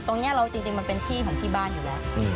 ตรงนี้จริงมันเป็นที่ของที่บ้านอยู่แล้ว